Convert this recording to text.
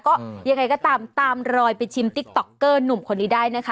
ก็ยังไงก็ตามตามรอยไปชิมติ๊กต๊อกเกอร์หนุ่มคนนี้ได้นะคะ